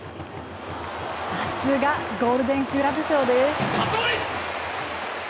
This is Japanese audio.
さすがゴールデングラブ賞です。